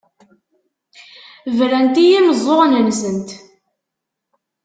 Brant i yimeẓẓuɣen-nsent.